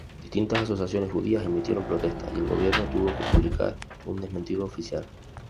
Distintas asociaciones judías emitieron protestas, y el gobierno tuvo que publicar un desmentido oficial.